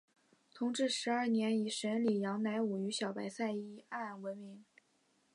同治十二年以审理杨乃武与小白菜一案闻名。